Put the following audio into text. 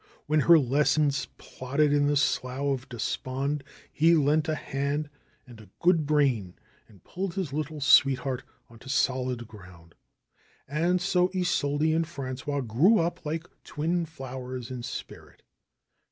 When her lessons plodded in the slough of despond he leant a hand and a good brain and pulled his little sweetheart on to solid ground. And so Isolde and Frangois grew up like twin flowers in spirit.